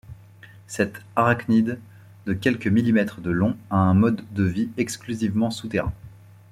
Cette arachnide de quelques millimètre de long a un mode de vie exclusivement souterrain.